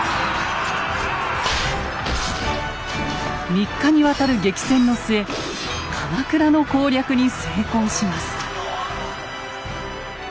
３日にわたる激戦の末鎌倉の攻略に成功します。